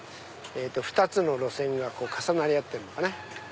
２つの路線が重なり合ってるのかな。